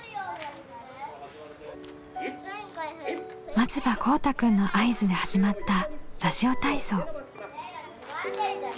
松場こうたくんの合図で始まったラジオ体操。